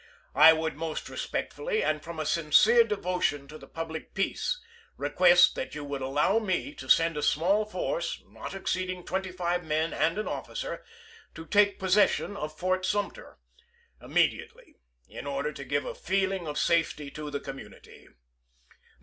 I would most respectfully, and from a sincere devotion to the public peace, request that you would allow me to send a small force, not exceeding twenty five men and an officer, to take possession of Fort Sumter, immediately, in order to give a feeling of safety to the community.